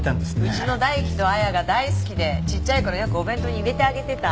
うちの大樹と亜矢が大好きでちっちゃい頃よくお弁当に入れてあげてた。